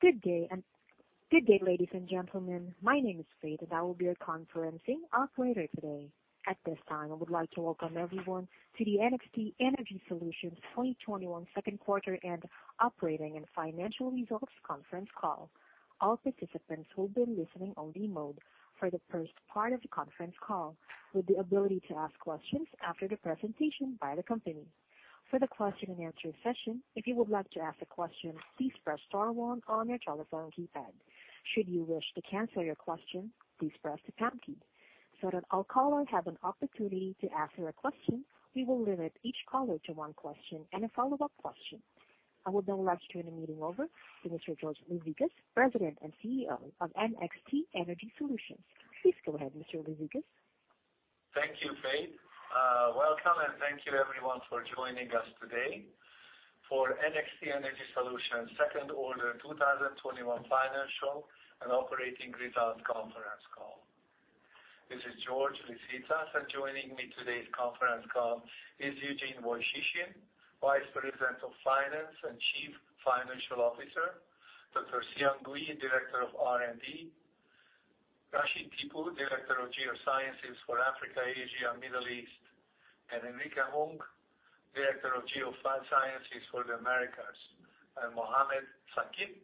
Good day, ladies and gentlemen. My name is Faith, and I will be your conferencing operator today. At this time, I would like to welcome everyone to the NXT Energy Solutions 2021 second quarter and operating and financial results conference call. All participants will be listening only mode for the first part of the conference call, with the ability to ask questions after the presentation by the company. For the question and answer session, if you would like to ask a question, please press star one on your telephone keypad. Should you wish to cancel your question, please press the pound key. That all callers have an opportunity to ask their question, we will limit each caller to one question and a follow-up question. I would now like to turn the meeting over to Mr. George Liszicasz, President and CEO of NXT Energy Solutions. Please go ahead, Mr. Liszicasz. Thank you, Faith. Welcome, and thank you everyone for joining us today for NXT Energy Solutions second quarter 2021 financial and operating results conference call. This is George Liszicasz, and joining me today's conference call is Eugene Woychyshyn, Vice President of Finance and Chief Financial Officer, Dr. Xiang Gui, Director of R&D, Rashid Tippu, Director of Geosciences for Africa, Asia, Middle East, and Enrique Hung, Director of Geosciences for the Americas, and Mohammed Saqib,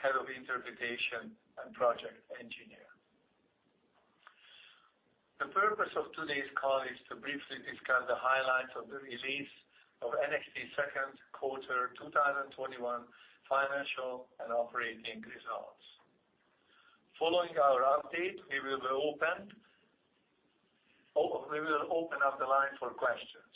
Head of Interpretation and Project Engineer. The purpose of today's call is to briefly discuss the highlights of the release of NXT's second quarter 2021 financial and operating results. Following our update, we will open up the line for questions.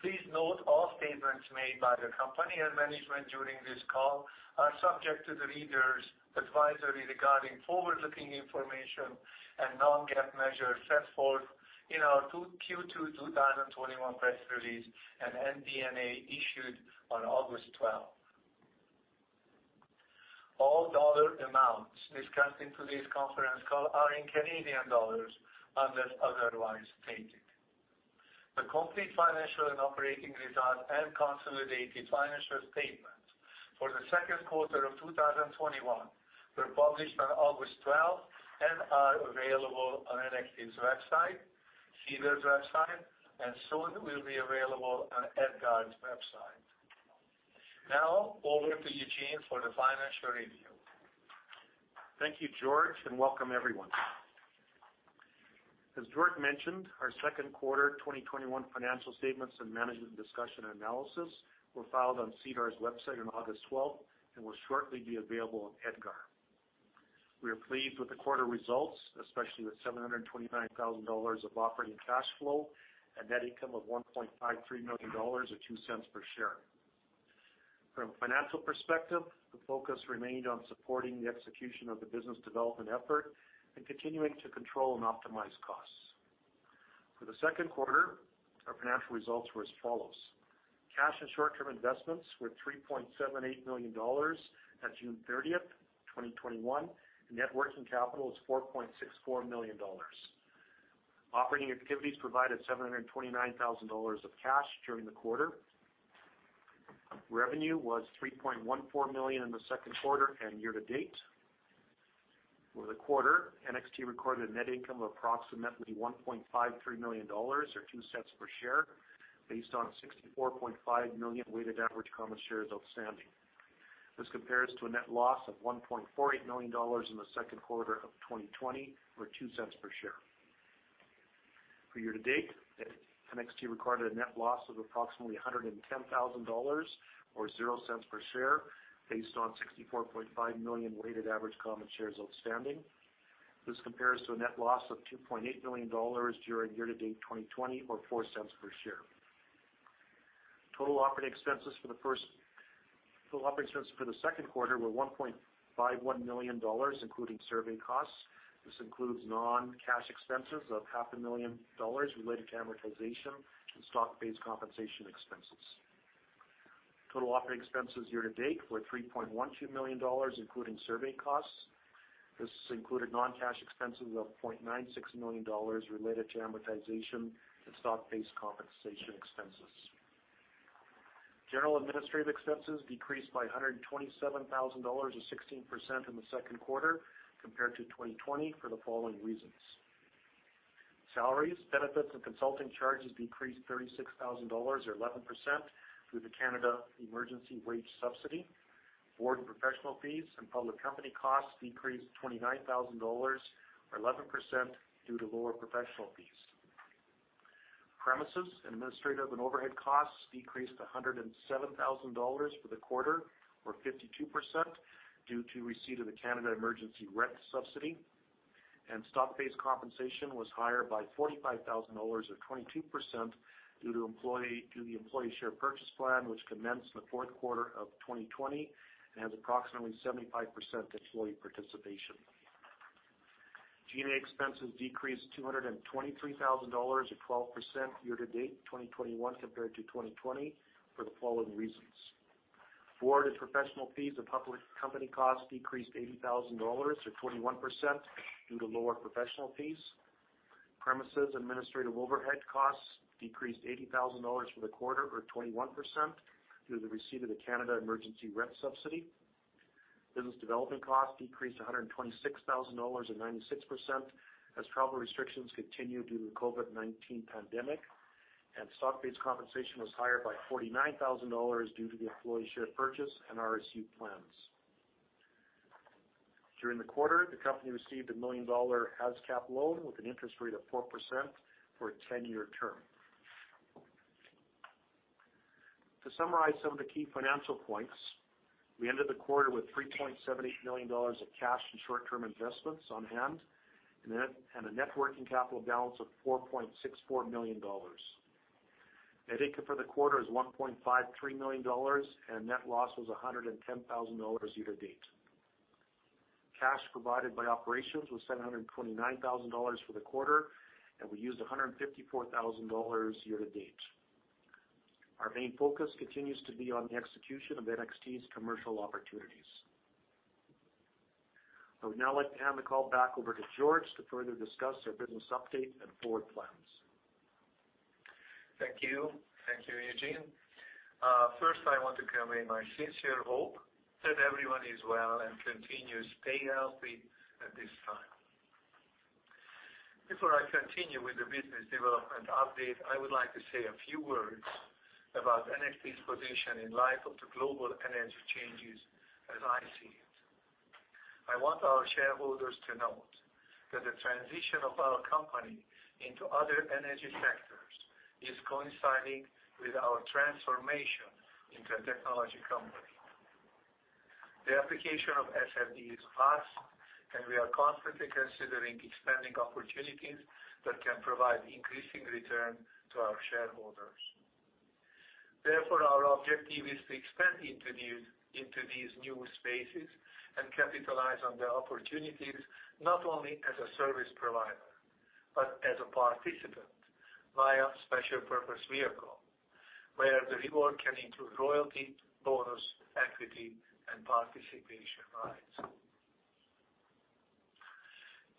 Please note all statements made by the company and management during this call are subject to the readers' advisory regarding forward-looking information and non-GAAP measures set forth in our Q2 2021 press release and MD&A issued on August 12th. All dollar amounts discussed in today's conference call are in Canadian dollars unless otherwise stated. The complete financial and operating results and consolidated financial statements for the second quarter of 2021 were published on August 12th and are available on NXT's website, SEDAR's website, and soon will be available on EDGAR's website. Over to Eugene for the financial review. Thank you, George, and welcome everyone. As George mentioned, our second quarter 2021 financial statements and Management Discussion and Analysis were filed on SEDAR's website on August 12th and will shortly be available on EDGAR. We are pleased with the quarter results, especially with 729,000 dollars of operating cash flow and net income of 1.53 million dollars or 0.02 per share. From a financial perspective, the focus remained on supporting the execution of the business development effort and continuing to control and optimize costs. For the second quarter, our financial results were as follows. Cash and short-term investments were 3.78 million dollars at June 30th, 2021. Net working capital is 4.64 million dollars. Operating activities provided 729,000 dollars of cash during the quarter. Revenue was 3.14 million in the second quarter and year to date. For the quarter, NXT recorded a net income of approximately 1.53 million dollars or 0.02 per share, based on 64.5 million weighted average common shares outstanding. This compares to a net loss of 1.48 million dollars in the second quarter of 2020 or 0.02 per share. For year to date, NXT recorded a net loss of approximately 110,000 dollars or 0.00 per share, based on 64.5 million weighted average common shares outstanding. This compares to a net loss of 2.8 million dollars during year to date 2020 or 0.04 per share. Total operating expenses for the second quarter were 1.51 million dollars, including survey costs. This includes non-cash expenses of 500,000 dollars related to amortization and stock-based compensation expenses. Total operating expenses year to date were 3.12 million dollars, including survey costs. This included non-cash expenses of 0.96 million dollars related to amortization and stock-based compensation expenses. General administrative expenses decreased by 127,000 dollars or 16% in the second quarter compared to 2020 for the following reasons. Salaries, benefits, and consulting charges decreased 36,000 dollars or 11% due to Canada Emergency Wage Subsidy. Board, professional fees, and public company costs decreased 29,000 dollars or 11% due to lower professional fees. Premises, administrative, and overhead costs decreased 107,000 dollars for the quarter or 52% due to receipt of the Canada Emergency Rent Subsidy, and stock-based compensation was higher by 45,000 dollars or 22% due to the employee share purchase plan which commenced in the fourth quarter of 2020 and has approximately 75% employee participation. G&A expenses decreased 223,000 dollars or 12% year to date 2021 compared to 2020 for the following reasons. Board and professional fees and public company costs decreased 80,000 dollars or 21% due to lower professional fees. Premises administrative overhead costs decreased 80,000 dollars for the quarter or 21% due to the receipt of the Canada Emergency Rent Subsidy. Business development costs decreased 126,000 dollars or 96% as travel restrictions continue due to the COVID-19 pandemic, and stock-based compensation was higher by 49,000 dollars due to the employee share purchase and RSU plans. During the quarter, the company received a million-dollar HASCAP loan with an interest rate of 4% for a 10-year term. To summarize some of the key financial points, we ended the quarter with 3.78 million dollars of cash and short-term investments on hand, and a net working capital balance of 4.64 million dollars. Net income for the quarter is 1.53 million dollars, and net loss was 110,000 dollars year to date. Cash provided by operations was 729,000 dollars for the quarter, and we used 154,000 dollars year to date. Our main focus continues to be on the execution of NXT's commercial opportunities. I would now like to hand the call back over to George to further discuss our business update and forward plans. Thank you. Thank you, Eugene. I want to convey my sincere hope that everyone is well and continues to stay healthy at this time. Before I continue with the business development update, I would like to say a few words about NXT's position in light of the global energy changes as I see it. I want our shareholders to note that the transition of our company into other energy sectors is coinciding with our transformation into a technology company. The application of SFD is vast, and we are constantly considering expanding opportunities that can provide increasing return to our shareholders. Our objective is to expand into these new spaces and capitalize on the opportunities not only as a service provider, but as a participant via special purpose vehicle, where the reward can include royalty, bonus, equity, and participation rights.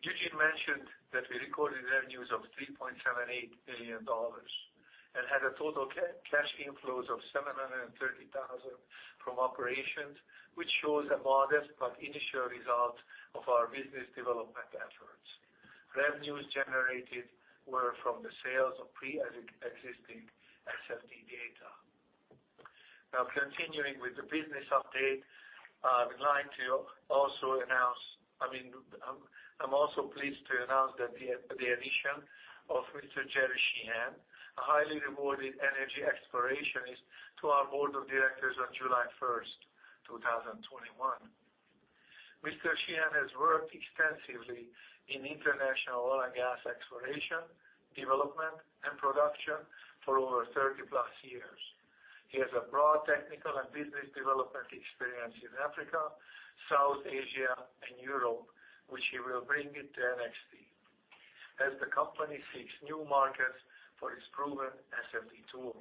Eugene mentioned that we recorded revenues of 3.78 million dollars and had a total cash inflows of 730,000 from operations, which shows a modest but initial result of our business development efforts. Revenues generated were from the sales of pre-existing SFD data. Continuing with the business update, I'm also pleased to announce the addition of Mr. Gerry Sheehan, a highly rewarded energy explorationist, to our board of directors on July 1st, 2021. Mr. Sheehan has worked extensively in international oil and gas exploration, development, and production for over 30 plus years. He has a broad technical and business development experience in Africa, South Asia, and Europe, which he will bring to NXT as the company seeks new markets for its proven SFD tool.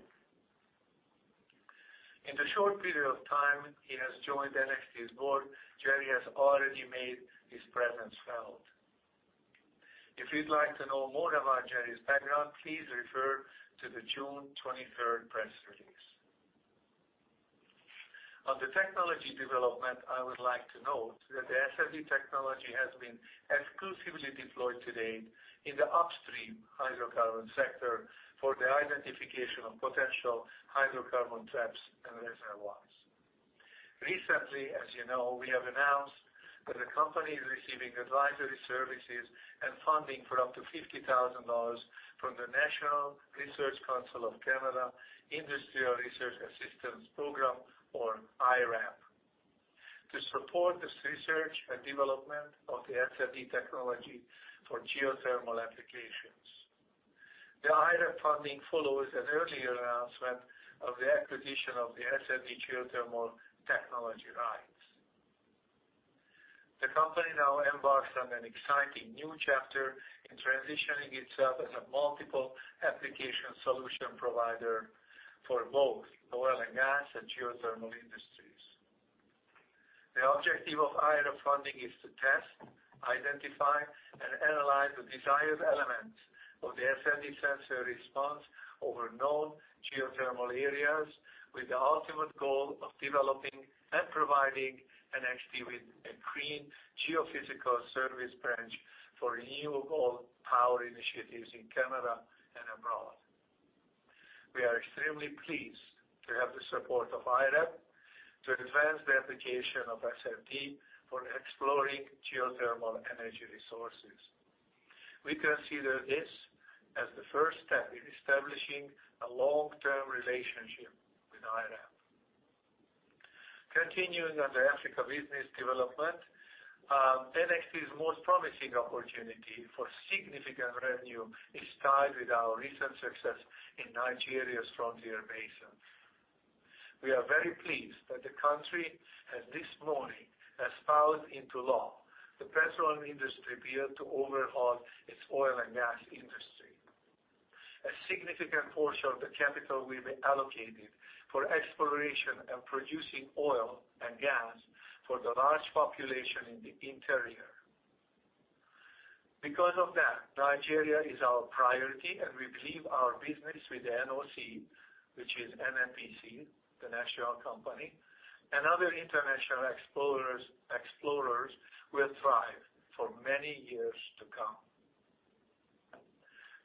In the short period of time he has joined NXT's board, Gerry has already made his presence felt. If you'd like to know more about Gerry's background, please refer to the June 23rd press release. On the technology development, I would like to note that the SFD technology has been exclusively deployed today in the upstream hydrocarbon sector for the identification of potential hydrocarbon traps and reservoirs. Recently, as you know, we have announced that the company is receiving advisory services and funding for up to 50,000 dollars from the National Research Council of Canada Industrial Research Assistance Program, or IRAP, to support this research and development of the SFD technology for geothermal applications. The IRAP funding follows an earlier announcement of the acquisition of the SFD geothermal technology rights. The company now embarks on an exciting new chapter in transitioning itself as a multiple application solution provider for both oil and gas and geothermal industries. The objective of IRAP funding is to test, identify, and analyze the desired elements of the SFD sensor response over known geothermal areas with the ultimate goal of developing and providing NXT with a clean geophysical service branch for renewable power initiatives in Canada and abroad. We are extremely pleased to have the support of IRAP to advance the application of SFD for exploring geothermal energy resources. We consider this as the first step in establishing a long-term relationship with IRAP. Continuing on the Africa business development, NXT's most promising opportunity for significant revenue is tied with our recent success in Nigeria's Frontier Basin. We are very pleased that the country has this morning espoused into law the Petroleum Industry Bill to overhaul its oil and gas industry. A significant portion of the capital will be allocated for exploration and producing oil and gas for the large population in the interior. Nigeria is our priority, and we believe our business with the NOC, which is NNPC, the national company, and other international explorers will thrive for many years to come.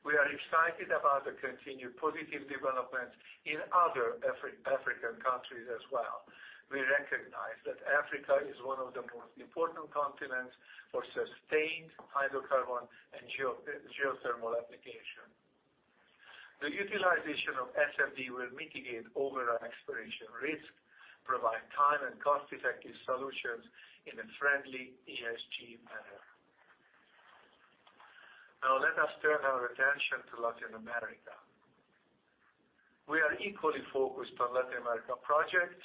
We are excited about the continued positive development in other African countries as well. We recognize that Africa is one of the most important continents for sustained hydrocarbon and geothermal application. The utilization of SFD will mitigate overall exploration risk, provide time and cost-effective solutions in a friendly ESG manner. Let us turn our attention to Latin America. We are equally focused on Latin America projects,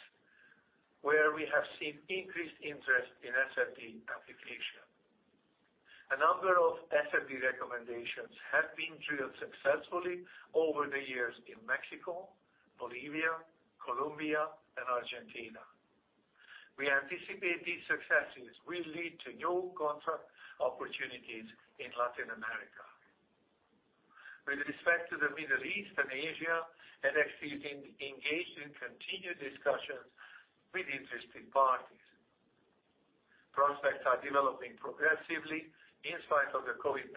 where we have seen increased interest in SFD application. A number of SFD recommendations have been drilled successfully over the years in Mexico, Bolivia, Colombia, and Argentina. We anticipate these successes will lead to new contract opportunities in Latin America. With respect to the Middle East and Asia, NXT is engaged in continued discussions with interested parties. Prospects are developing progressively in spite of the COVID-19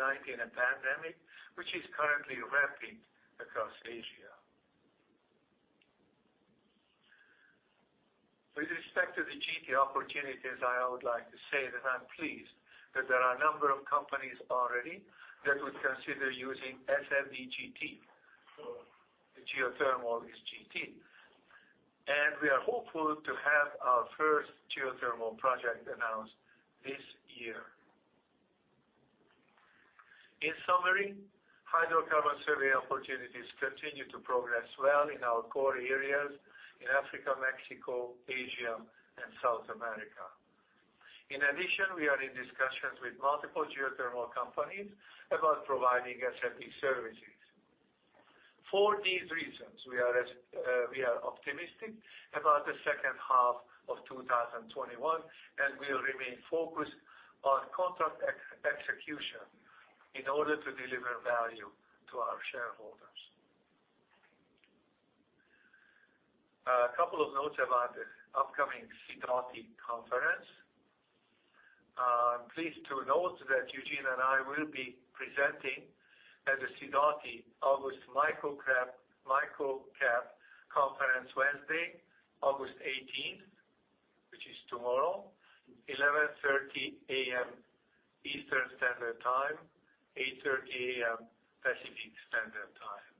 pandemic, which is currently ramping across Asia. With respect to the GT opportunities, I would like to say that I'm pleased that there are a number of companies already that would consider using SFD-GT. The geothermal is GT. We are hopeful to have our first geothermal project announced this year. In summary, hydrocarbon survey opportunities continue to progress well in our core areas in Africa, Mexico, Asia, and South America. In addition, we are in discussions with multiple geothermal companies about providing SFD services. For these reasons, we are optimistic about the second half of 2021, and we'll remain focused on contract execution in order to deliver value to our shareholders. A couple of notes about the upcoming Sidoti conference. I'm pleased to note that Eugene and I will be presenting at the Sidoti August Micro-Cap conference Wednesday, August 18th, which is tomorrow, 11:30 A.M. Eastern Standard Time, 8:30 A.M. Pacific Standard Time.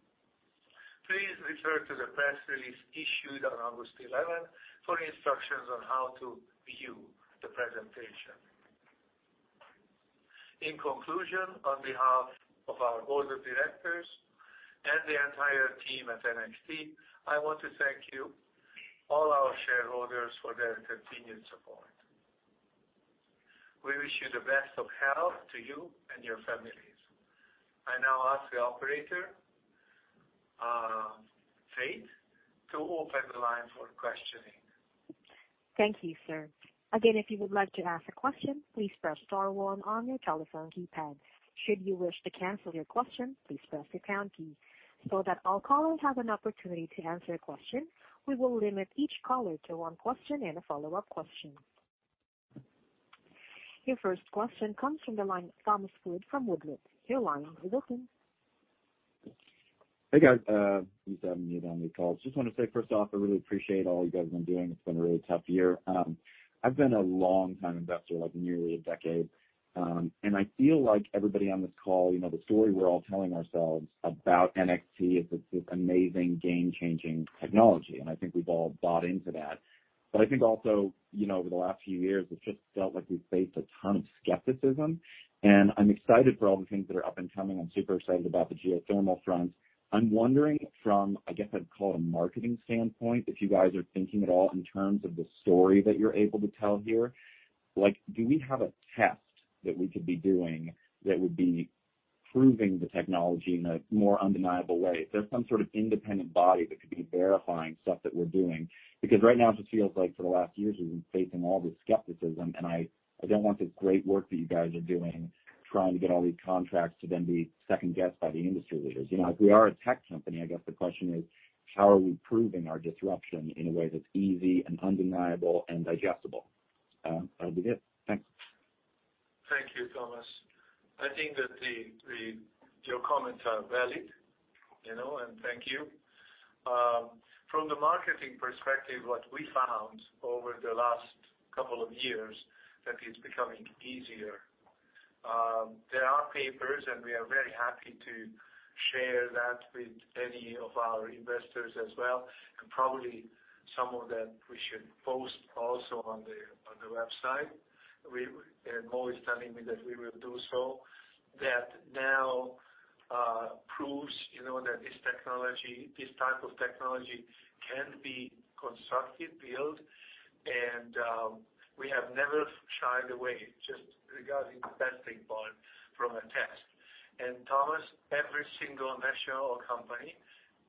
Please refer to the press release issued on August 11 for instructions on how to view the presentation. In conclusion, on behalf of our board of directors and the entire team at NXT, I want to thank you, all our shareholders, for their continued support. We wish you the best of health to you and your families. I now ask the operator, Faith, to open the line for questioning. Thank you, sir. Again, if you would like to ask a question, please press star one on your telephone keypad. Should you wish to cancel your question, please press the pound key. That all callers have an opportunity to ask their question, we will limit each caller to one question and a follow-up question. Your first question comes from the line of Thomas Ford from Woodley. Your line is open. Hey, guys. You sound muted on these calls. Just want to say first off, I really appreciate all you guys have been doing. It's been a really tough year. I've been a long time investor, like nearly a decade. I feel like everybody on this call, the story we're all telling ourselves about NXT is it's this amazing game-changing technology, and I think we've all bought into that. I think also, over the last few years, it's just felt like we've faced a ton of skepticism. I'm excited for all the things that are up and coming. I'm super excited about the geothermal front. I'm wondering from, I guess I'd call it a marketing standpoint, if you guys are thinking at all in terms of the story that you're able to tell here. Do we have a test that we could be doing that would be proving the technology in a more undeniable way? If there's some sort of independent body that could be verifying stuff that we're doing. Right now, it just feels like for the last years, we've been facing all this skepticism, and I don't want the great work that you guys are doing, trying to get all these contracts to then be second-guessed by the industry leaders. If we are a tech company, I guess the question is, how are we proving our disruption in a way that's easy and undeniable and digestible? That'd be it. Thanks. Thank you, Thomas. I think that your comments are valid. Thank you. From the marketing perspective, what we found over the last couple of years that it is becoming easier. There are papers, and we are very happy to share that with any of our investors as well. Probably some of that we should post also on the website. Mo is telling me that we will do so. That now proves that this type of technology can be constructed, built. We have never shied away just regarding the testing part from a test. Thomas, every single national oil company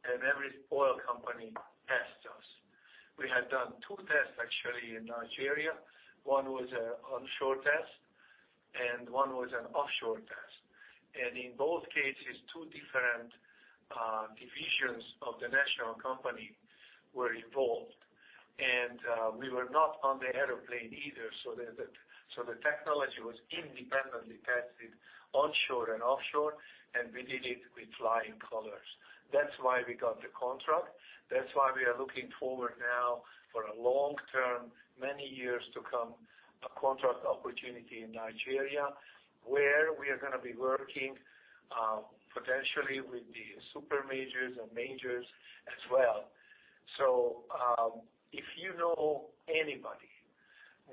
and every oil company tests us. We have done two tests actually in Nigeria. One was an onshore test and one was an offshore test. In both cases, two different divisions of the national company were involved. We were not on the airplane either. The technology was independently tested onshore and offshore. We did it with flying colors. That's why we got the contract. That's why we are looking forward now for a long-term, many years to come, a contract opportunity in Nigeria, where we are going to be working, potentially with the super majors and majors as well. If you know anybody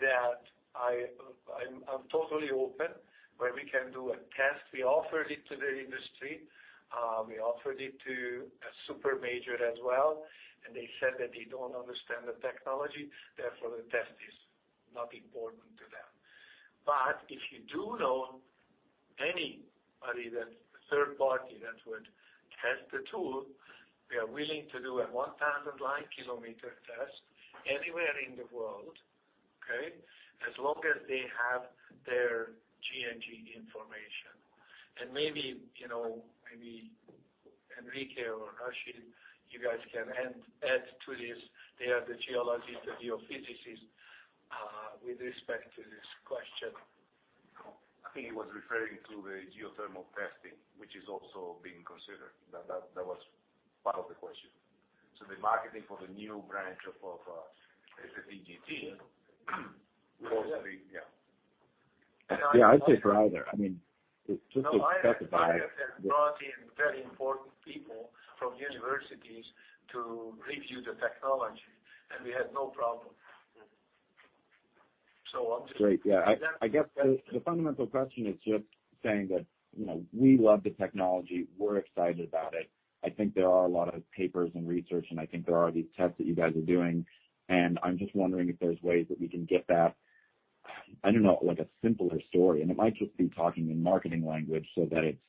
that I'm totally open where we can do a test. We offered it to the industry. We offered it to a super major as well. They said that they don't understand the technology, therefore, the test is not important to them. If you do know anybody, a third party that would test the tool, we are willing to do a 1,000-line kilometer test anywhere in the world, okay? As long as they have their G&G information. Maybe Enrique or Rashid, you guys can add to this. They are the geologists, the geophysicists with respect to this question. I think he was referring to the geothermal testing, which is also being considered. That was part of the question. The marketing for the new branch of SFD-GT. Yeah. Yeah, I'd say for either. I mean, it just specifies. No, I have brought in very important people from universities to review the technology, and we had no problem. Great. Yeah. I guess the fundamental question is just saying that we love the technology, we're excited about it. I think there are a lot of papers and research, and I think there are these tests that you guys are doing. I'm just wondering if there's ways that we can get that, I don't know, like a simpler story. It might just be talking in marketing language so that it's,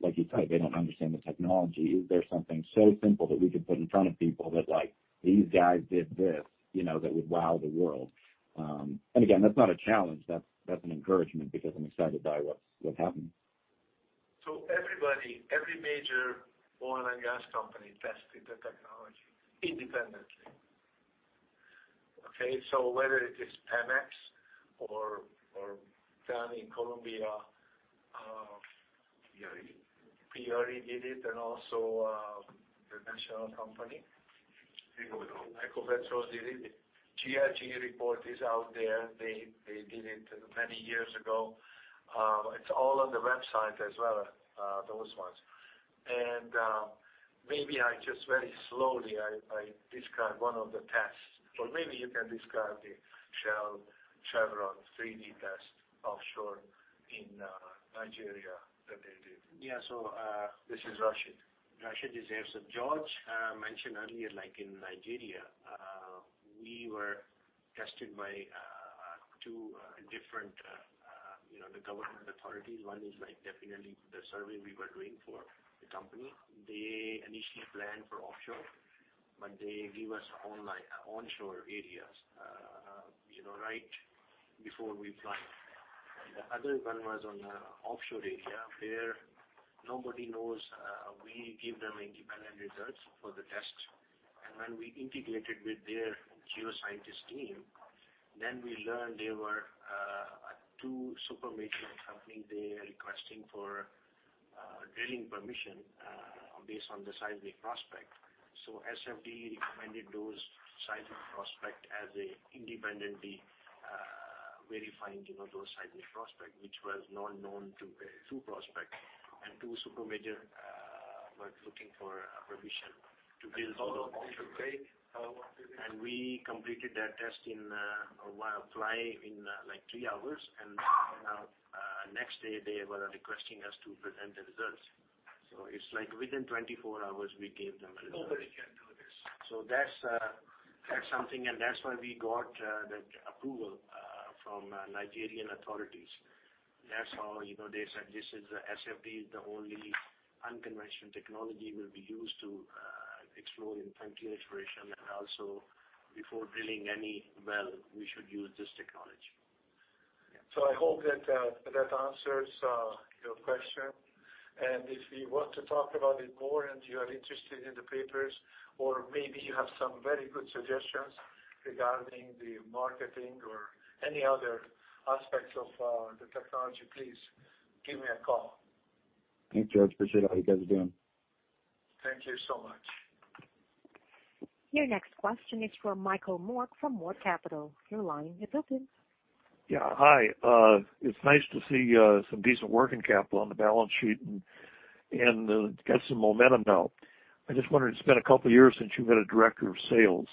like you said, they don't understand the technology. Is there something so simple that we could put in front of people that like, "These guys did this," that would wow the world. Again, that's not a challenge. That's an encouragement because I'm excited by what's happened. Everybody. Every major oil and gas company tested the technology independently. Okay? Whether it is Pemex or down in Colombia. PRE PRE did it and also, the national company. Ecopetrol. Ecopetrol did it. GRG report is out there. They did it many years ago. It's all on the website as well, those ones. Maybe I just very slowly describe one of the tests. Maybe you can describe the Shell, Chevron 3D test offshore in Nigeria that they did. Yeah. This is Rashid. Rashid is here. George mentioned earlier, like in Nigeria, we were tested by two different government authorities. One is definitely the survey we were doing for the company. They initially planned for offshore, but they give us onshore areas right before we fly. The other one was on the offshore area where nobody knows we give them independent results for the test. When we integrated with their geoscientist team, then we learned there were two super major companies there requesting for drilling permission based on the seismic prospect. SFD recommended those seismic prospect as a independently verifying those seismic prospects, which was not known to two prospects. Two super majors were looking for permission to build- All offshore, right? All offshore. We completed that test in a fly in three hours, and now next day, they were requesting us to present the results. It's like within 24 hours, we gave them a result. Nobody can do this. That's something. That's why we got the approval from Nigerian authorities. That's how they said, "SFD is the only unconventional technology will be used to explore in frontier exploration, and also before drilling any well, we should use this technology." I hope that answers your question. If you want to talk about it more and you are interested in the papers or maybe you have some very good suggestions regarding the marketing or any other aspects of the technology, please give me a call. Thanks, George. Appreciate all you guys are doing. Thank you so much. Your next question is from Michael Mork from Mork Capital. Your line is open. Yeah. Hi. It's nice to see some decent working capital on the balance sheet and got some momentum now. I just wondered, it's been a couple of years since you've had a director of sales.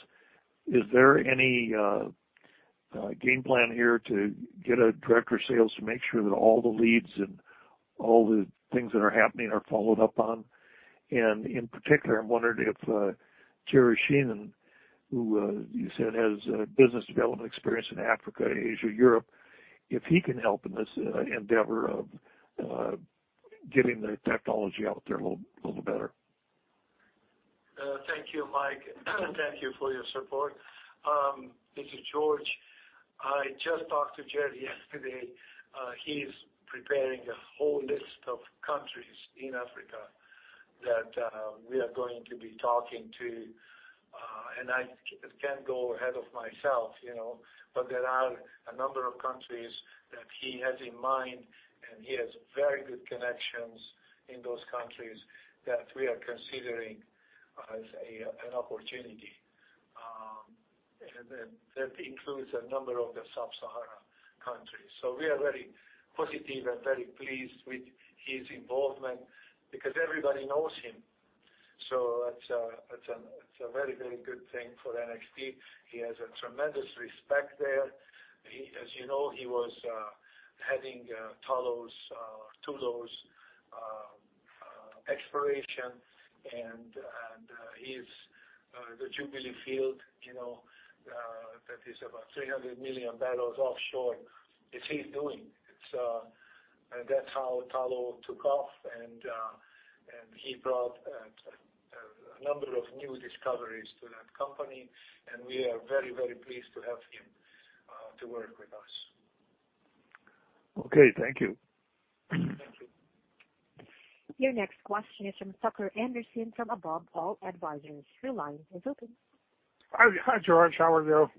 Is there any game plan here to get a director of sales to make sure that all the leads and all the things that are happening are followed up on. In particular, I'm wondering if Gerry Sheehan, who you said has business development experience in Africa, Asia, Europe, if he can help in this endeavor of getting the technology out there a little better. Thank you, Mike. Thank you for your support. This is George. I just talked to Gerry yesterday. He's preparing a whole list of countries in Africa that we are going to be talking to. I can't go ahead of myself, but there are a number of countries that he has in mind, and he has very good connections in those countries that we are considering as an opportunity. That includes a number of the sub-Sahara countries. We are very positive and very pleased with his involvement because everybody knows him. That's a very good thing for NXT. He has a tremendous respect there. As you know, he was heading Tullow's exploration, and the Jubilee Field, that is about 300 million barrels offshore, is his doing. That's how Tullow took off, and he brought a number of new discoveries to that company, and we are very pleased to have him to work with us. Okay. Thank you. Thank you. Your next question is from Tucker Andersen from Above All Advisors. Your line is open. Hi, George. How are you?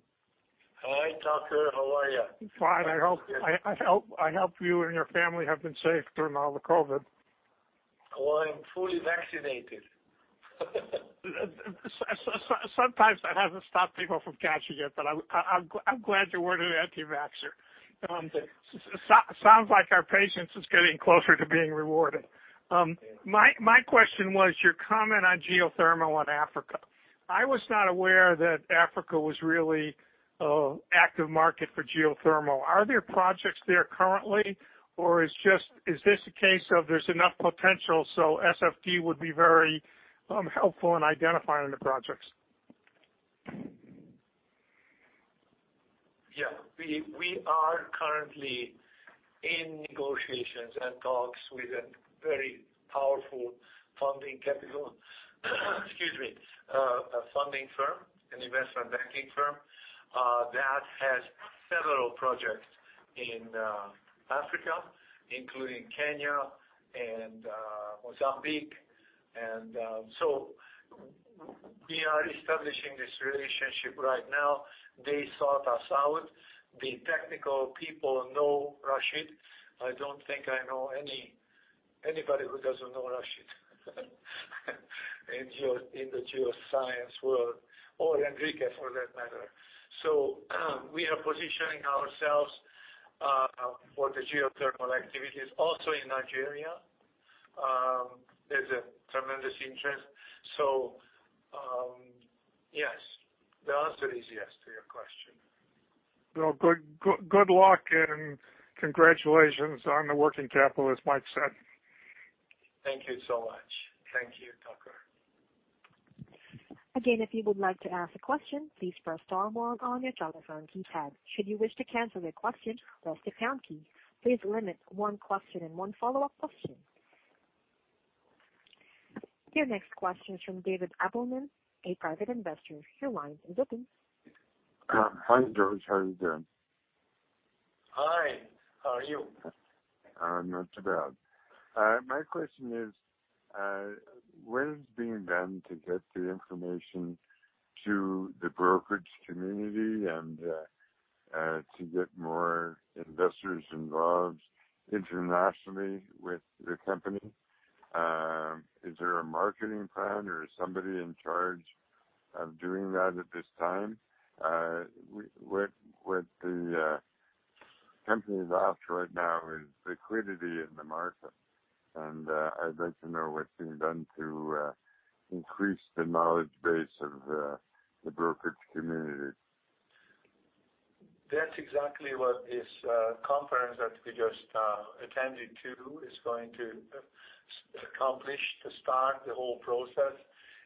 Hi, Tucker. How are you? Fine. I hope you and your family have been safe through and all the COVID. Oh, I'm fully vaccinated. Sometimes that hasn't stopped people from catching it, but I'm glad you were an anti-vaxxer. Thanks. Sounds like our patience is getting closer to being rewarded. My question was your comment on geothermal in Africa. I was not aware that Africa was really an active market for geothermal. Are there projects there currently? Or is this a case of there's enough potential, so SFD would be very helpful in identifying the projects? Yeah. We are currently in negotiations and talks with a very powerful funding capital excuse me funding firm, an investment banking firm that has several projects in Africa, including Kenya and Mozambique. We are establishing this relationship right now. They sought us out. The technical people know Rashid. I don't think I know anybody who doesn't know Rashid in the geoscience world or Enrique, for that matter. We are positioning ourselves for the geothermal activities also in Nigeria. There's a tremendous interest. Yes. The answer is yes to your question. Well, good luck and congratulations on the working capital, as Mike said. Thank you so much. Thank you, Tucker. Again, if you would like to ask a question, please press star one on your telephone keypad. Should you wish to cancel your question, press the pound key. Please limit one question and one follow-up question. Your next question is from David Appleman, a private investor. Your line is open. Hi, George. How are you doing? Hi. How are you? Not too bad. My question is, what is being done to get the information to the brokerage community and to get more investors involved internationally with your company? Is there a marketing plan, or is somebody in charge of doing that at this time? What the company lacks right now is liquidity in the market, and I'd like to know what's being done to increase the knowledge base of the brokerage community. That's exactly what this conference that we just attended to is going to accomplish to start the whole process.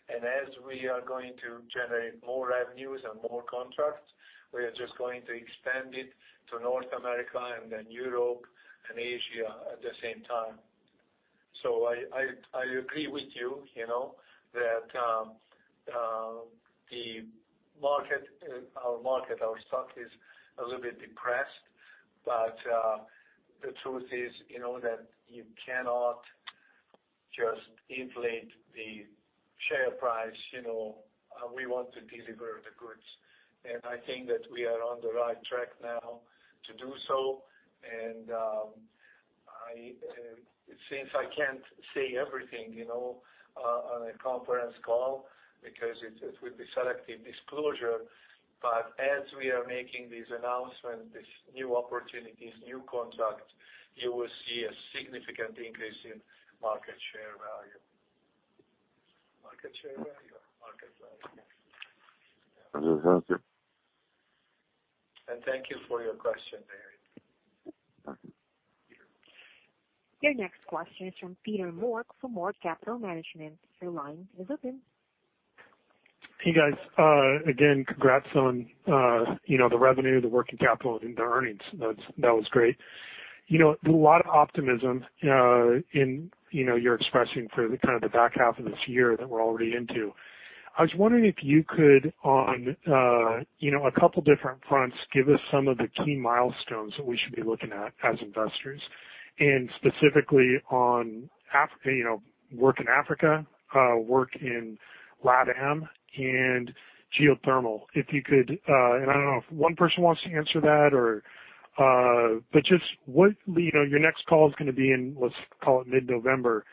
As we are going to generate more revenues and more contracts, we are just going to expand it to North America and then Europe and Asia at the same time. I agree with you, that our market, our stock is a little bit depressed. The truth is that you cannot just inflate the share price. We want to deliver the goods. I think that we are on the right track now to do so. Since I can't say everything on a conference call because it would be selective disclosure, but as we are making these announcements, these new opportunities, new contracts, you will see a significant increase in market share value. Thank you for your question, David. Your next question is from Peter Mork from Mork Capital Management. Your line is open. Hey, guys. Again, congrats on the revenue, the working capital, and the earnings. That was great. A lot of optimism you're expressing for the kind of the back half of this year that we're already into. I was wondering if you could, on a couple different fronts, give us some of the key milestones that we should be looking at as investors, and specifically on work in Africa, work in LATAM, and geothermal. If you could. I don't know if one person wants to answer that. Your next call is going to be in, let's call it mid-November.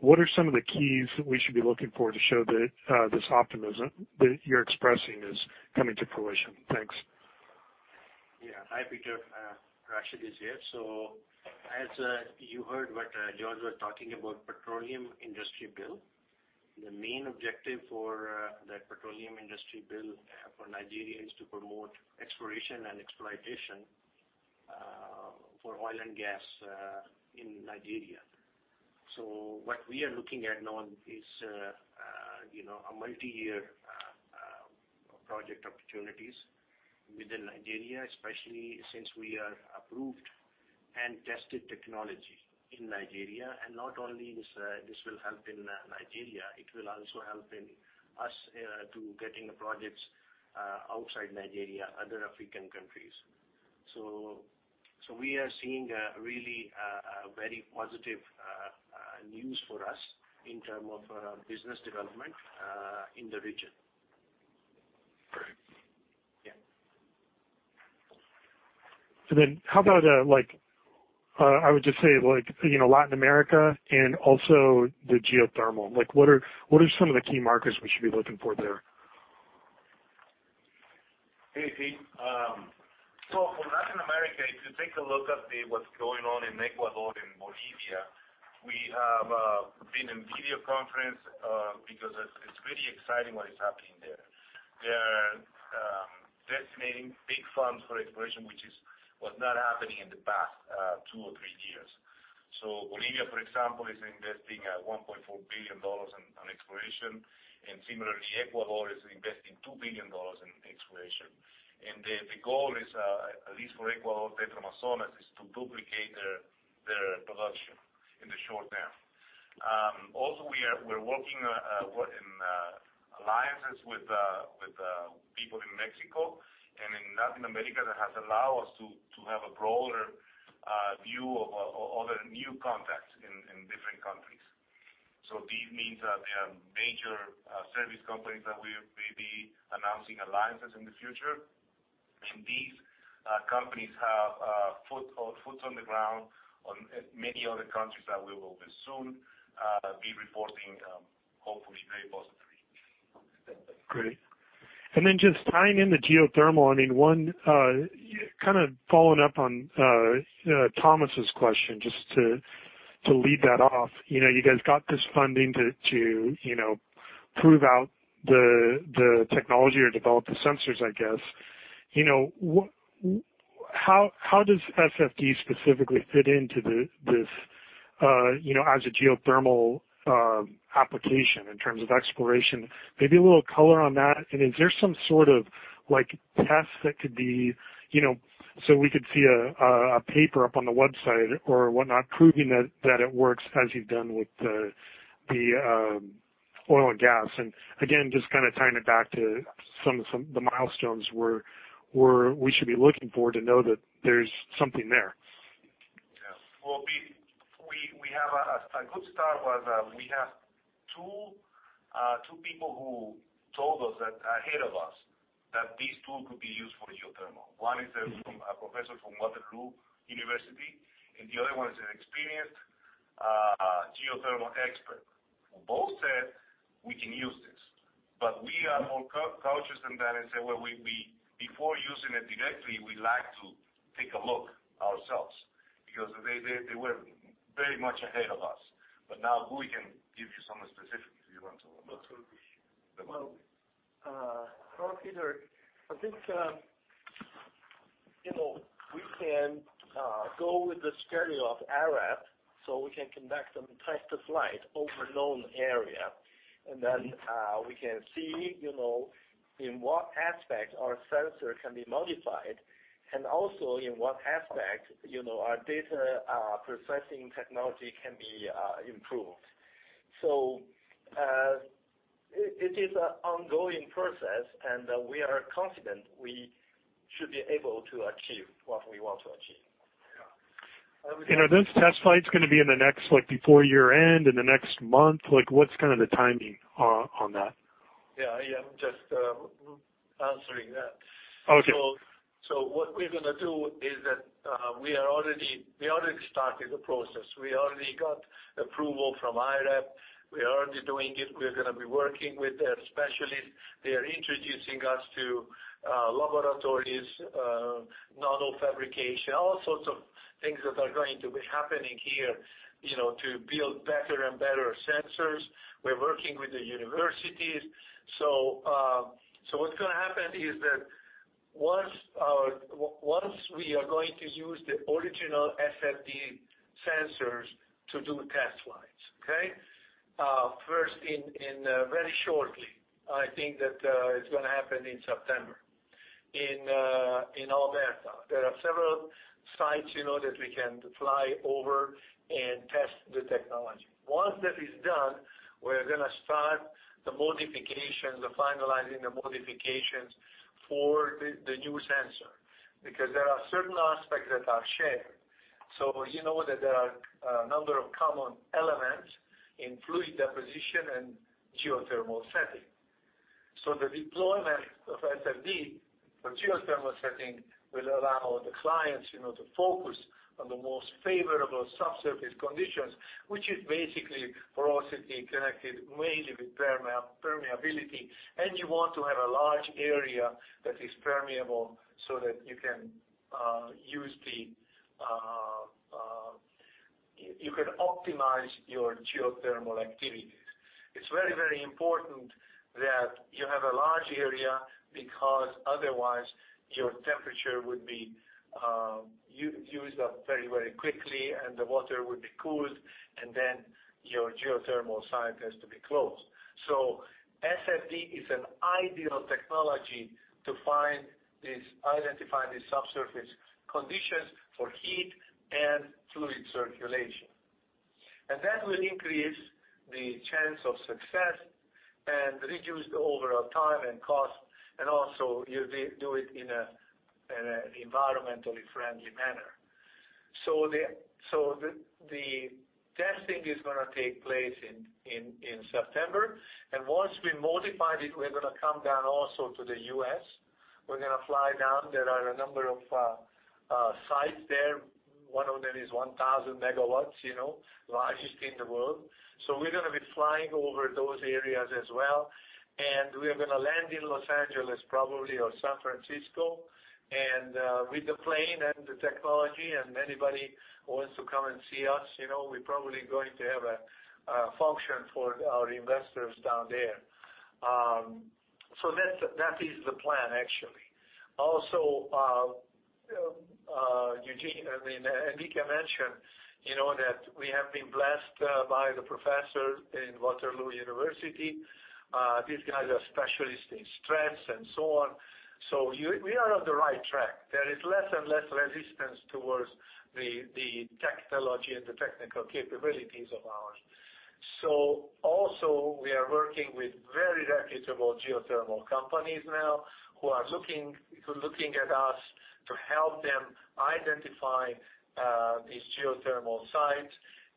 What are some of the keys that we should be looking for to show that this optimism that you're expressing is coming to fruition? Thanks. Yeah. Hi, Peter. Rashid is here. As you heard what George was talking about, Petroleum Industry Bill. The main objective for that Petroleum Industry Bill for Nigeria is to promote exploration and exploitation for oil and gas in Nigeria. What we are looking at now is a multi-year project opportunities within Nigeria, especially since we are approved and tested technology in Nigeria. Not only this will help in Nigeria, it will also help in us to getting the projects outside Nigeria, other African countries. We are seeing really very positive news for us in term of business development in the region. Yeah. How about, I would just say Latin America and also the geothermal, what are some of the key markets we should be looking for there? Hey, Pete. For Latin America, if you take a look at what's going on in Ecuador and Bolivia, we have been in video conference because it's really exciting what is happening there. They're designating big funds for exploration, which was not happening in the past two or three years. Bolivia, for example, is investing 1.4 billion dollars on exploration, and similarly, Ecuador is investing 2 billion dollars in exploration. The goal is, at least for Ecuador, Petroamazonas, is to duplicate their production in the short term. Also, we're working in alliances with people in Mexico and in Latin America that has allowed us to have a broader view of other new contacts in different countries. This means that there are major service companies that we may be announcing alliances in the future. These companies have foot on the ground on many other countries that we will soon be reporting, hopefully very positively. Great. Then just tying in the geothermal. Kind of following up on Thomas's question, just to lead that off. You guys got this funding to prove out the technology or develop the sensors, I guess. How does SFD specifically fit into this as a geothermal application in terms of exploration? Maybe a little color on that. Is there some sort of test that could be, so we could see a paper up on the website or whatnot proving that it works as you've done with the oil and gas. Again, just kind of tying it back to some of the milestones where we should be looking for to know that there's something there. Well, Peter, a good start was we have two people who told us that ahead of us that this tool could be used for geothermal. One is a professor from University of Waterloo, and the other one is an experienced geothermal expert, who both said we can use this. We are more cautious than that and say, "Well, before using it directly, we like to take a look ourselves." They were very much ahead of us. Now Gui can give you some specifics if you want to. Sure. Hello, Peter. I think we can go with the schedule of IRAP, so we can conduct some test of flight over known area. We can see in what aspect our sensor can be modified, and also in what aspect our data processing technology can be improved. It is an ongoing process, and we are confident we should be able to achieve what we want to achieve. Yeah. Are those test flights going to be in the next, like before year-end, in the next month? What's kind of the timing on that? Yeah. I am just answering that. Okay. What we're going to do is that we already started the process. We already got approval from IRAP. We're already doing it. We're going to be working with their specialist. They are introducing us to laboratories, nano fabrication, all sorts of things that are going to be happening here to build better and better sensors. We're working with the universities. What's going to happen is that once we are going to use the original SFD sensors to do test flights, okay? First, very shortly, I think that it's going to happen in September in Alberta. There are several sites that we can fly over and test the technology. Once that is done, we're going to start the modifications, the finalizing the modifications for the new sensor. There are certain aspects that are shared. You know that there are a number of common elements in fluid deposition and geothermal setting. The deployment of SFD for geothermal setting will allow the clients to focus on the most favorable subsurface conditions, which is basically porosity connected mainly with permeability, and you want to have a large area that is permeable so that you can optimize your geothermal activities. It's very, very important that you have a large area, because otherwise, your temperature would be used up very, very quickly, and the water would be cooled, and then your geothermal site has to be closed. SFD is an ideal technology to identify the subsurface conditions for heat and fluid circulation. That will increase the chance of success and reduce the overall time and cost, and also you do it in an environmentally friendly manner. The testing is going to take place in September. Once we modified it, we're going to come down also to the U.S. We're going to fly down. There are a number of sites there. One of them is 1,000 MW, largest in the world. We're going to be flying over those areas as well, and we are going to land in Los Angeles probably or San Francisco. With the plane and the technology, and anybody who wants to come and see us, we're probably going to have a function for our investors down there. That is the plan, actually. Also, Enrique mentioned that we have been blessed by the professors in Waterloo University. These guys are specialists in stress and so on. We are on the right track. There is less and less resistance towards the technology and the technical capabilities of ours. Also, we are working with very reputable geothermal companies now who are looking at us to help them identify these geothermal sites.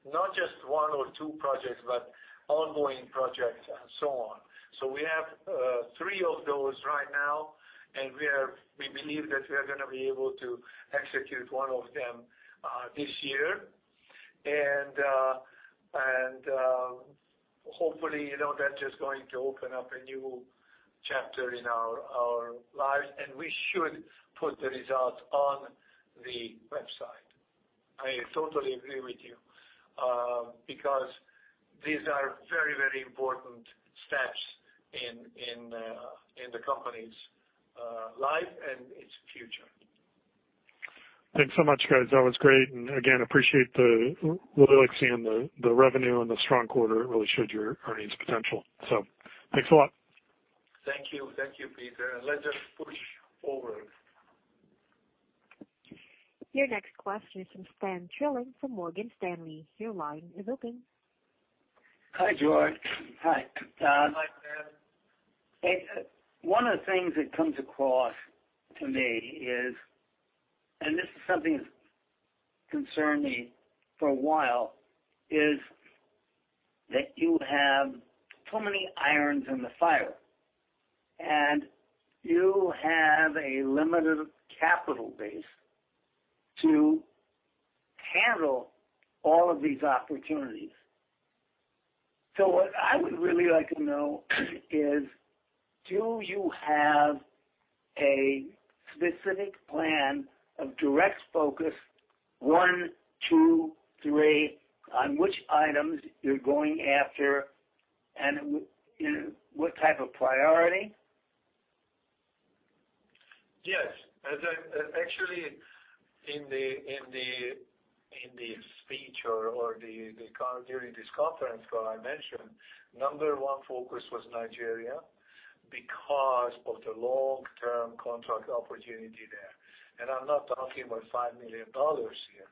Not just one or two projects, but ongoing projects and so on. We have three of those right now, and we believe that we are going to be able to execute one of them this year. Hopefully, that is going to open up a new chapter in our lives, and we should put the results on the website. I totally agree with you. These are very, very important steps in the company's life and its future. Thanks so much, guys. That was great. Again, appreciate. Really like seeing the revenue and the strong quarter. It really showed your earnings potential. Thanks a lot. Thank you. Thank you, Peter. Let's just push forward. Your next question is from Stan Trilling from Morgan Stanley. Your line is open. Hi, George. Hi, Stan. One of the things that comes across to me is, and this is something that's concerned me for a while, is that you have too many irons in the fire. You have a limited capital base to handle all of these opportunities. What I would really like to know is do you have a specific plan of direct focus, one, two, three, on which items you're going after and in what type of priority? Yes. Actually, in the speech or during this conference call, I mentioned number one focus was Nigeria because of the long-term contract opportunity there. I am not talking about 5 million dollars here.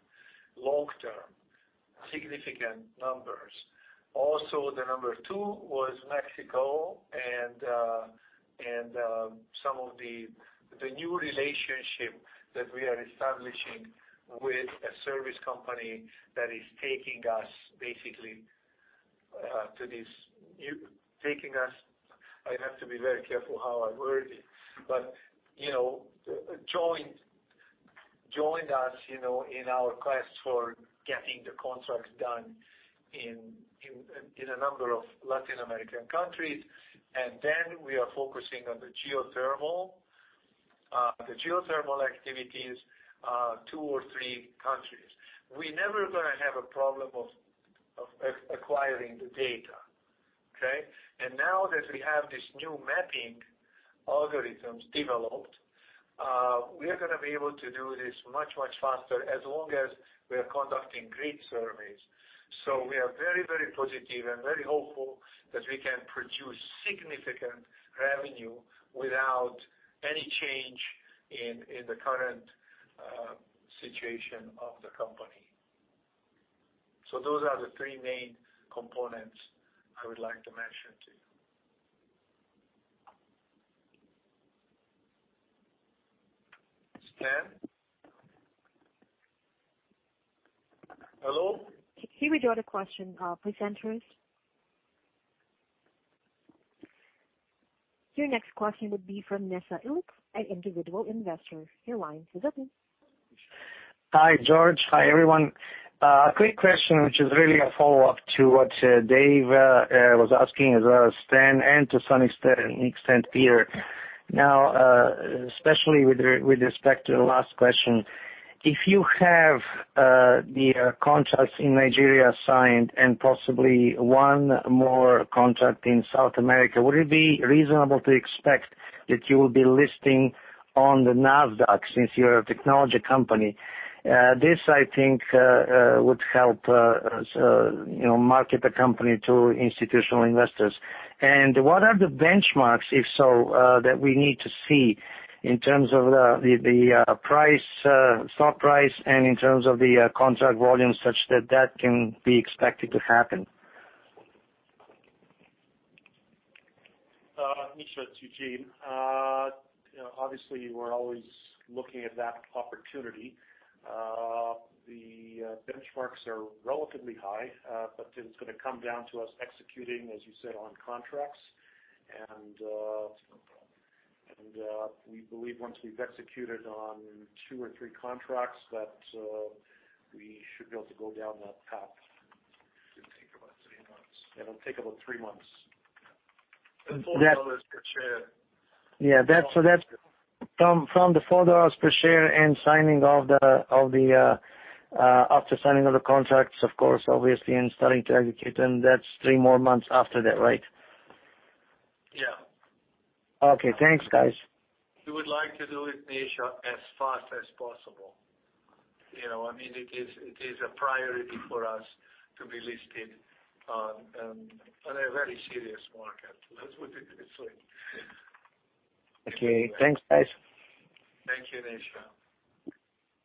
Long-term, significant numbers. The number two was Mexico and some of the new relationship that we are establishing with a service company that is taking us basically, I have to be very careful how I word it, but joined us in our quest for getting the contracts done in a number of Latin American countries. We are focusing on the geothermal activities, two or three countries. We never going to have a problem of acquiring the data. Okay? Now that we have these new mapping algorithms developed, we are going to be able to do this much, much faster as long as we are conducting grid surveys. We are very, very positive and very hopeful that we can produce significant revenue without any change in the current situation of the company. Those are the three main components I would like to mention to you. Stan? Hello? Can we go to questions, presenters? Your next question would be from Misha Ilk, an individual investor. Your line is open. Hi, George. Hi, everyone. A quick question, which is really a follow-up to what Dave was asking as well as Stan and to some extent, Peter. Especially with respect to the last question. If you have the contracts in Nigeria signed and possibly one more contract in South America, would it be reasonable to expect that you will be listing on the Nasdaq since you're a technology company? This, I think, would help market the company to institutional investors. What are the benchmarks, if so, that we need to see in terms of the stock price and in terms of the contract volume such that that can be expected to happen? Misha, it's Eugene. Obviously, we're always looking at that opportunity. The benchmarks are relatively high, but it's going to come down to us executing, as you said, on contracts. We believe once we've executed on two or three contracts, that we should be able to go down that path. It'll take about three months. It'll take about three months. CAD 4 per share. From the 4 dollars per share after signing of the contracts, of course, obviously, and starting to execute, and that's three more months after that, right? Yeah. Okay. Thanks, guys. We would like to do it, Misha, as fast as possible. It is a priority for us to be listed on a very serious market. Let's put it this way. Okay. Thanks, guys. Thank you, Misha.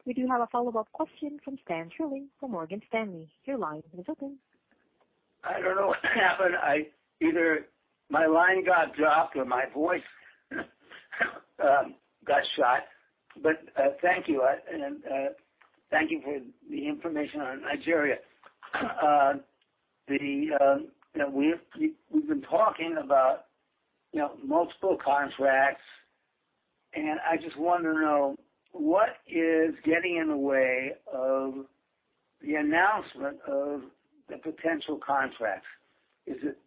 We do have a follow-up question from Stan Trilling from Morgan Stanley. Your line is open. I don't know what happened. Either my line got dropped or my voice got shot. Thank you. Thank you for the information on Nigeria. We've been talking about multiple contracts, and I just want to know what is getting in the way of the announcement of the potential contracts. Is it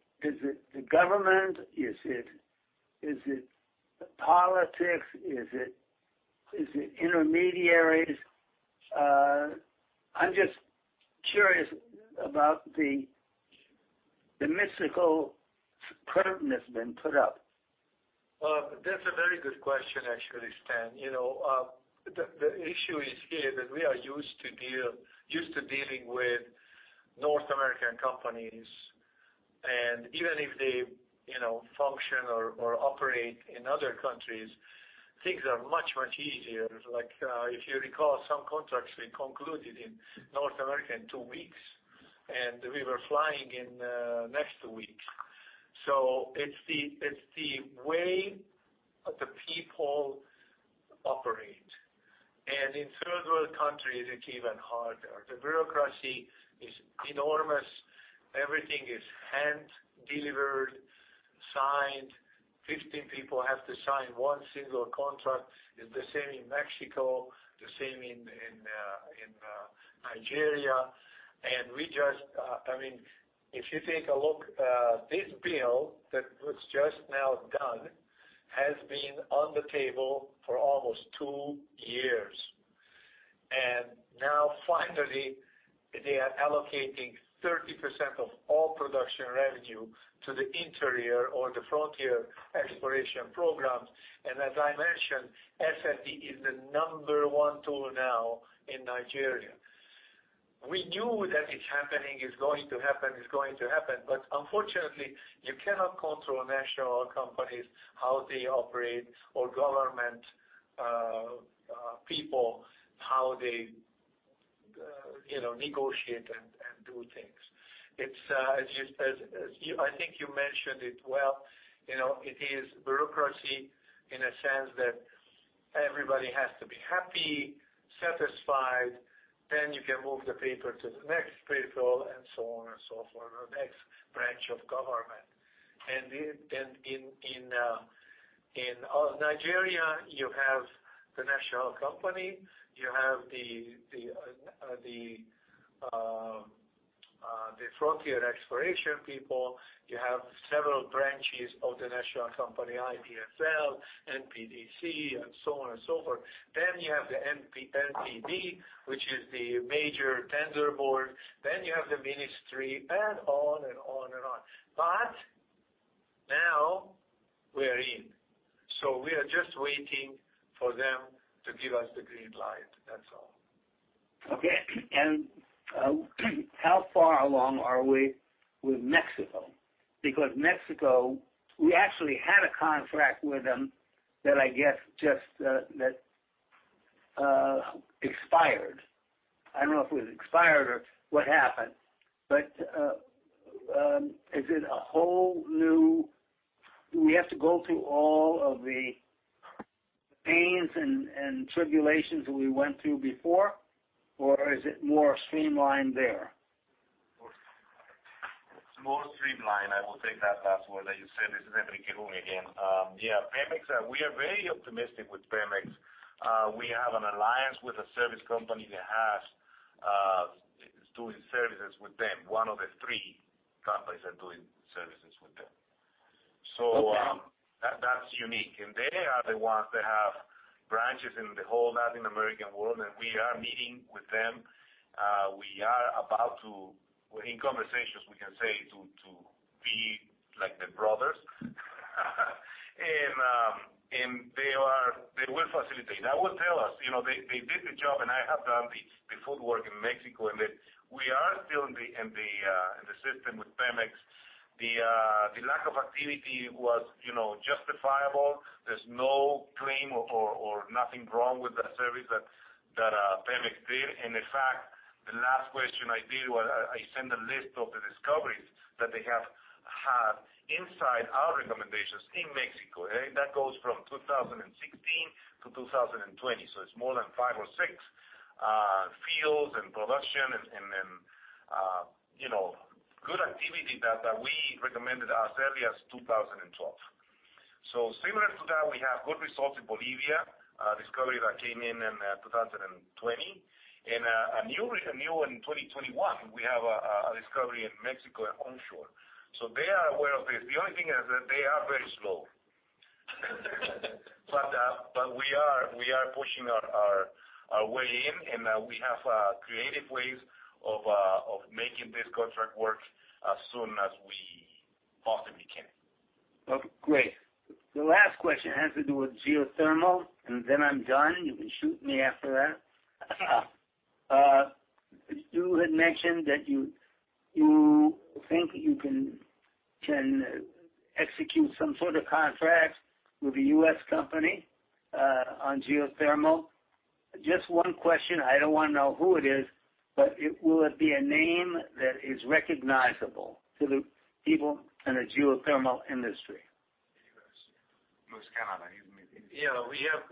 the government? Is it politics? Is it intermediaries? I'm just curious about the mystical curtain that's been put up. That's a very good question, actually, Stan. The issue is here that we are used to dealing with North American companies. Even if they function or operate in other countries, things are much, much easier. If you recall, some contracts we concluded in North America in two weeks, and we were flying in the next week. It's the way the people operate. In third world countries, it's even harder. The bureaucracy is enormous. Everything is hand delivered, signed. 15 people have to sign one single contract. It's the same in Mexico, the same in Nigeria. If you take a look, this Petroleum Industry Bill that was just now done has been on the table for almost two years. Now finally, they are allocating 30% of all production revenue to the interior or the frontier exploration programs. As I mentioned, SFD is the number one tool now in Nigeria. We knew that it is happening, it is going to happen. Unfortunately, you cannot control national companies, how they operate or government people, how they negotiate and do things. I think you mentioned it well. It is bureaucracy in a sense that everybody has to be happy, satisfied. You can move the paper to the next people, and so on and so forth, or next branch of government. In Nigeria, you have the national company, you have the frontier exploration people, you have several branches of the national company, IPFL, NPDC, and so on and so forth. Then you have the NPD, which is the major tender board. Then you have the ministry, and on and on and on. Now we are in. We are just waiting for them to give us the green light. That's all. Okay. How far along are we with Mexico? Mexico, we actually had a contract with them that I guess just expired. I don't know if it was expired or what happened. Do we have to go through all of the pains and tribulations that we went through before, or is it more streamlined there? It's more streamlined. I will take that last word that you said. This is Enrique Hung again. We are very optimistic with Pemex. We have an alliance with a service company that is doing services with them, one of the three companies are doing services with them. Okay. That's unique. They are the ones that have branches in the whole Latin American world, and we are meeting with them. We're in conversations, we can say, to be like the brothers. They will facilitate. That will tell us. They did the job and I have done the footwork in Mexico, and we are still in the system with Pemex. The lack of activity was justifiable. There's no claim or nothing wrong with the service that Pemex did. In fact, the last question I did was, I sent a list of the discoveries that they have had inside our recommendations in Mexico. That goes from 2016 to 2020. It's more than five or six fields and production, and good activity that we recommended as early as 2012. Similar to that, we have good results in Bolivia, a discovery that came in in 2020. New in 2021, we have a discovery in Mexico onshore. They are aware of this. The only thing is that they are very slow. We are pushing our way in, and we have creative ways of making this contract work as soon as we possibly can. Okay, great. The last question has to do with geothermal, and then I'm done. You can shoot me after that. You had mentioned that you think you can execute some sort of contract with a U.S. company on geothermal. Just one question. I don't want to know who it is, but will it be a name that is recognizable to the people in the geothermal industry? U.S. Most Canada, he means. Yeah. We have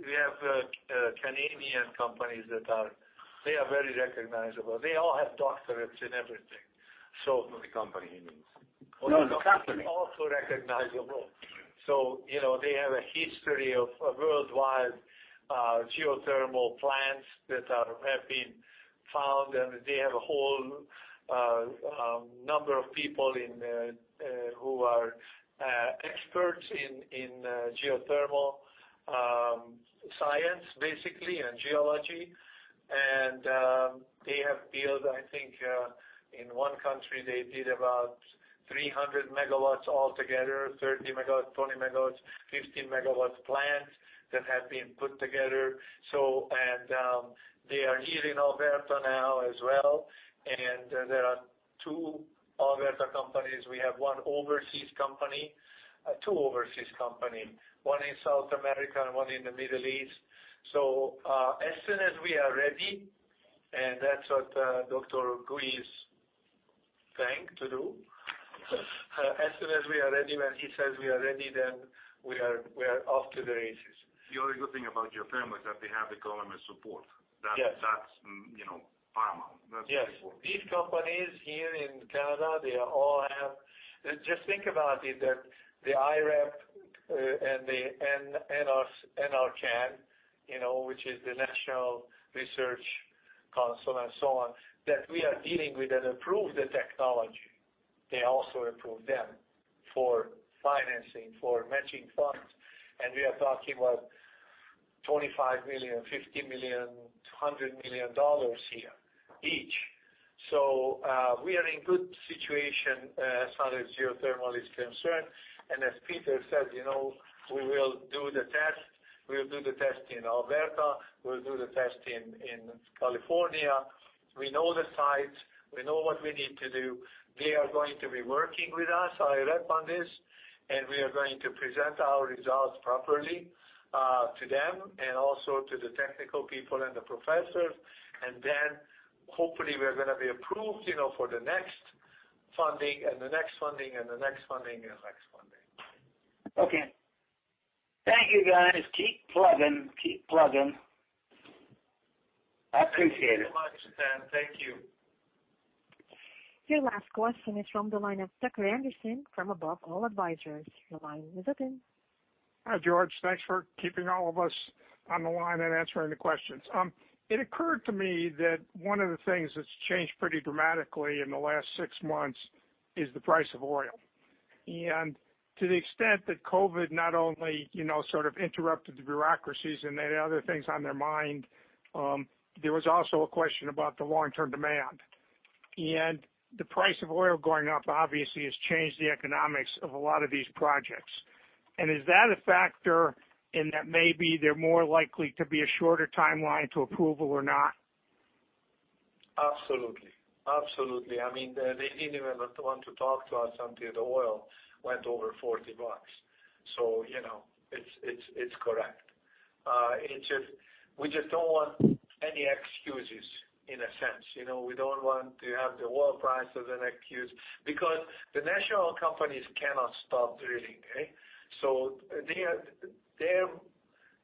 Canadian companies that are very recognizable. They all have doctorates and everything. The company, he means. No, the company. Also recognizable. They have a history of worldwide geothermal plants that have been found, and they have a whole number of people who are experts in geothermal science, basically, and geology. They have built, I think, in one country, they did about 300 MW altogether, 30 MW, 20 MW, 15 MW plants that have been put together. They are here in Alberta now as well, and there are two Alberta companies. We have one overseas company. Two overseas company, one in South America and one in the Middle East. As soon as we are ready, and that's what Dr. Gui is trying to do. As soon as we are ready, when he says we are ready, we are off to the races. The only good thing about geothermal is that they have the government support. Yes. That's paramount. That's very important. Yes. These companies here in Canada, they all have Just think about it, the IRAP and the NRCan, which is the National Research Council and so on, that we are dealing with and approve the technology. They also approve them for financing, for matching funds. We are talking about 25 million, 50 million, 100 million dollars here each. We are in good situation as far as geothermal is concerned. As Peter said, we will do the test. We'll do the test in Alberta. We'll do the test in California. We know the sites. We know what we need to do. They are going to be working with us, IRAP on this. We are going to present our results properly to them and also to the technical people and the professors. Hopefully, we're going to be approved for the next funding and the next funding and the next funding and the next funding. Okay. Thank you, guys. Keep plugging. I appreciate it. Thank you so much, Stan. Thank you. Your last question is from the line of Tucker Andersen from Above All Advisors. Your line is open. Hi, George. Thanks for keeping all of us on the line and answering the questions. It occurred to me that one of the things that's changed pretty dramatically in the last six months is the price of oil. To the extent that COVID not only sort of interrupted the bureaucracies and they had other things on their mind, there was also a question about the long-term demand. The price of oil going up obviously has changed the economics of a lot of these projects. Is that a factor in that maybe they're more likely to be a shorter timeline to approval or not? Absolutely. They didn't even want to talk to us until the oil went over 40 bucks. It's correct. We just don't want any excuses, in a sense. We don't want to have the oil prices an excuse because the national companies cannot stop drilling, okay?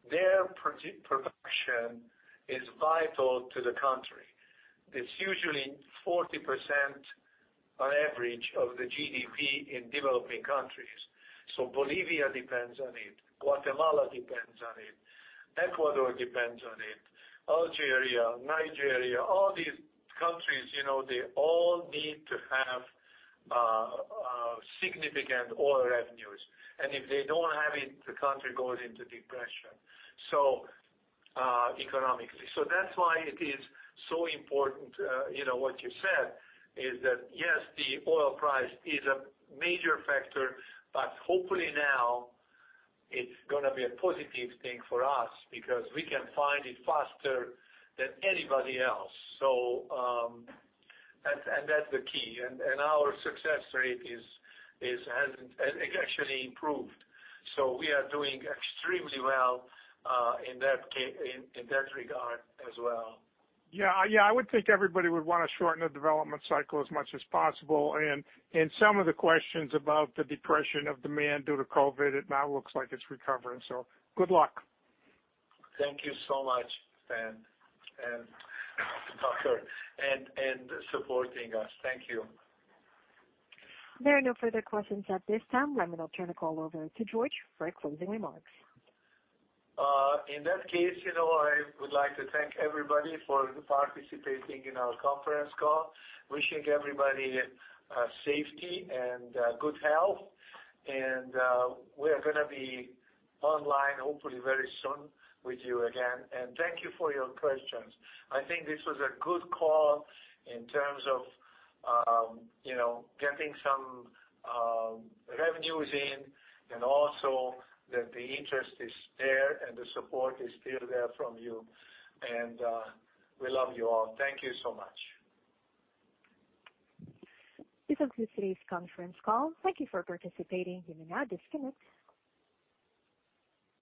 Their production is vital to the country. It's usually 40%, on average, of the GDP in developing countries. Bolivia depends on it. Guatemala depends on it. Ecuador depends on it. Algeria, Nigeria, all these countries, they all need to have significant oil revenues. If they don't have it, the country goes into depression economically. That's why it is so important, what you said, is that, yes, the oil price is a major factor, but hopefully now it's going to be a positive thing for us because we can find it faster than anybody else. That's the key, and our success rate has actually improved. We are doing extremely well in that regard as well. Yeah. I would think everybody would want to shorten the development cycle as much as possible. Some of the questions about the depression of demand due to COVID, it now looks like it's recovering. Good luck. Thank you so much, Ben and Tucker, and supporting us. Thank you. There are no further questions at this time. I'm going to turn the call over to George for closing remarks. In that case, I would like to thank everybody for participating in our conference call. Wishing everybody safety and good health. We are going to be online hopefully very soon with you again. Thank you for your questions. I think this was a good call in terms of getting some revenues in and also that the interest is there and the support is still there from you. We love you all. Thank you so much. This concludes today's conference call. Thank you for participating. You may now disconnect.